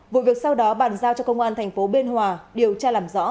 vụ việc sau đó bàn giao cho công an tp biên hòa điều tra làm rõ